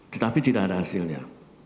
tetapi tidak ada hasilnya